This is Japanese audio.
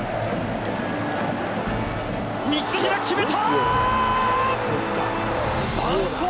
三平、決めた。